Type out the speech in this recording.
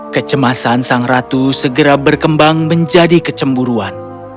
kecemasan sang ratu segera berkembang menjadi kecemburuan